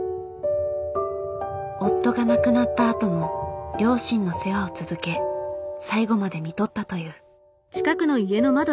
夫が亡くなったあとも両親の世話を続け最後までみとったという。